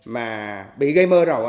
mà bị gây mơ rồi